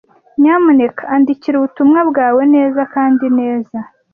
Nyamuneka andikira ubutumwa bwawe neza kandi neza.